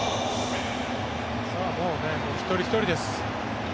もう一人ひとりです。